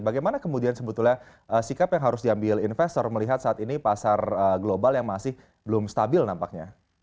bagaimana kemudian sebetulnya sikap yang harus diambil investor melihat saat ini pasar global yang masih belum stabil nampaknya